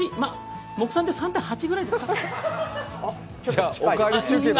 目算で３．８ぐらいですかね。